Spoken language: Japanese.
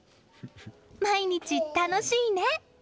毎日楽しいね。